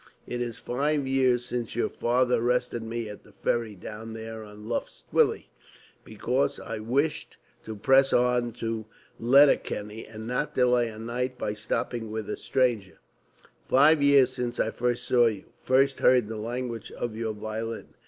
It is five years since your father arrested me at the ferry down there on Lough Swilly, because I wished to press on to Letterkenny and not delay a night by stopping with a stranger. Five years since I first saw you, first heard the language of your violin.